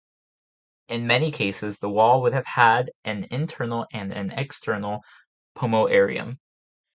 In many cases, the wall would have had an internal and an external "pomoerium".